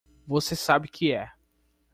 Você sabe que é!